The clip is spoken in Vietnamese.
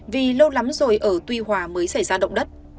vì lâu lắm rồi ở tuy hòa mới xảy ra động đất